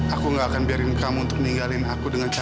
aini jangan tinggal di sana